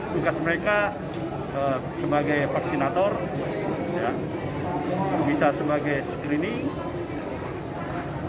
tugas mereka sebagai vaksinator bisa sebagai screening